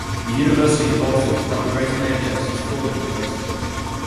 The University of Bolton is one of Greater Manchester's four universities.